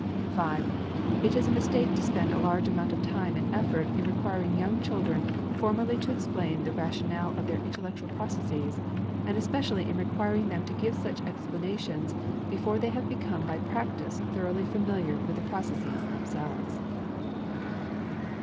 5. It is a mistake to spend a large amount of time and effort in requiring young children formally to explain the rationale of their intellectual processes, and especially in requiring them to give such explanations before they have become by practice thoroughly familiar with the processes themselves.